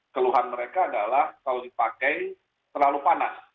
keluhan mereka adalah kalau dipakai terlalu panas